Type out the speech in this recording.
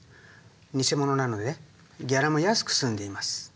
ニセモノなのでギャラも安く済んでいます。